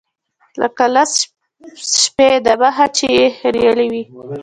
لکه لس شپې د مخه چې يې خرييلي وي.